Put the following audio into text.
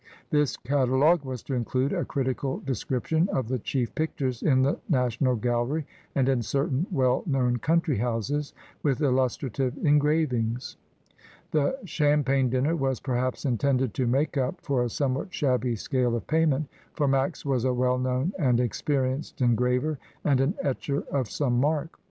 This catalogue was to include a critical description of the chief pictures in the National Gallery and in certain well known country houses, with illustrative engravings. The champagne dinner was, perhaps, intended to make up for a somewhat shabby scale of payment, for Max was a well known and experienced en graver, and an etcher of some mark.